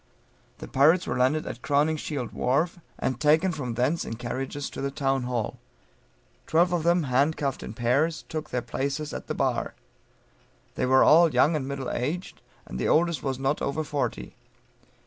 The pirates were landed at Crowningshield wharf, and taken from thence in carriages to the Town hall; twelve of them, handcuffed in pairs, took their places at the bar. They were all young and middle aged, the oldest was not over forty.